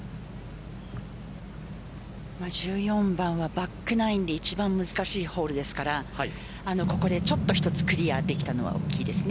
１４番はバックナインで一番難しいホールですからここでちょっと１つクリアできたのは大きいです。